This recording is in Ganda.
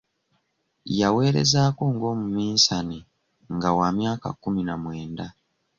Yaweerezaako ng'omuminsani nga wa myaka kkumi na mwenda.